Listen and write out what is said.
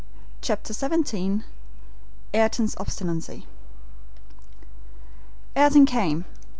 CHAPTER XVII AYRTON'S OBSTINACY AYRTON came.